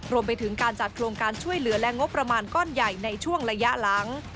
รวมไปถึงการจัดโครงการช่วยเหลือและงบประมาณก้อนใหญ่ในช่วงระยะหลัง